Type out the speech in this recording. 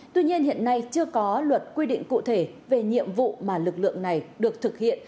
tuy nhiên hiện nay chưa có luật quy định cụ thể về nhiệm vụ mà lực lượng này được thực hiện